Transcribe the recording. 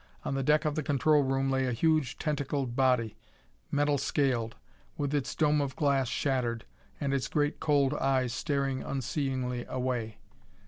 On the deck of the control room lay a huge tentacled body, metal scaled, with its dome of glass shattered and its great cold eyes staring unseeingly away.